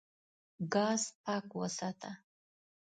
ګاز پاک وساته.